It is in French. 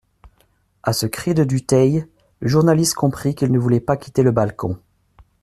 A ce cri de Dutheil, le journaliste comprit qu'il ne voulait pas quitter le balcon.